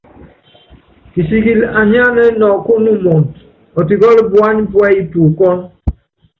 Kisikili anyánanɛ́ɛ́ nɔkúnɔ́ umɔɔd, ɔtikɔ́lɔ́ puányi púɛ́yí pukɔ́n.